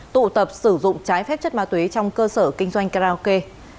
tụ tập sử dụng trái phép chất ma túy trong cơ sở kinh doanh karaoke